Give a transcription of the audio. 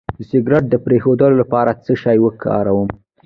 د سګرټ د پرېښودو لپاره څه شی وکاروم؟